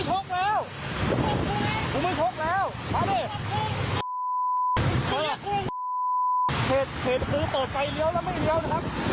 เหตุคือเปิดไฟเลี้ยวแล้วไม่เลี้ยวนะครับ